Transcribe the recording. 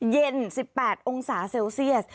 เย็น๑๘องศาเซลเซียส